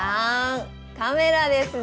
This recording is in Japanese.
カメラですね。